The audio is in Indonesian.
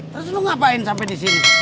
terus lo ngapain sampai di sini